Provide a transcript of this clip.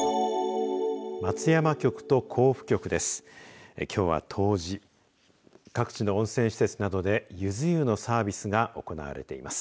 松山局と甲府局です。